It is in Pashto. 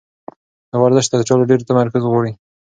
دا ورزش تر ټولو ډېر تمرکز غواړي.